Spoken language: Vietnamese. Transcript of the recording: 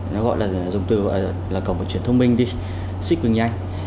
nó gọi là dùng từ là cổng vận chuyển thông minh đi xip cực nhanh